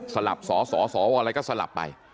สลับสสวอะไรก็สลับไป